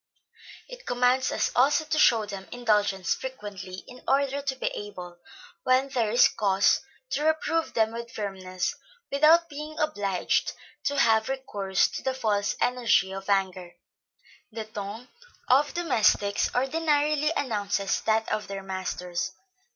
It commands us also to show them indulgence frequently, in order to be able, when there is cause, to reprove them with firmness, without being obliged to have recourse to the false energy of anger. The ton of domestics ordinarily announces that of their masters.